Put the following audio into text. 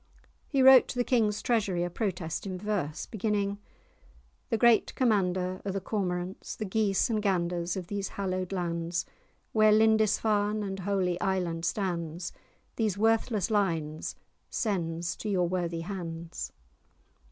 He wrote to the King's treasury a protest in verse, beginning:— "The great commander o' the Cormorants, The geese and ganders of these hallowed lands, Where Lindisfarne and Holy Island stands, _These worthless lines sends to your worthy hands.